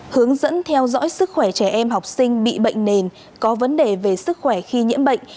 hướng dẫn theo dõi sức khỏe trẻ em học sinh bị bệnh nền có vấn đề về sức khỏe khi nhiễm bệnh